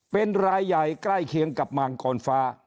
เป็นรายใหญ่ใกล้เคียงกับมังกรฟ้า